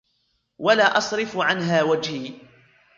وَلَا أَصْرِفُ عَنْهَا وَجْهِي